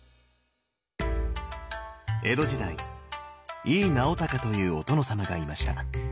江戸時代井伊直孝というお殿様がいました。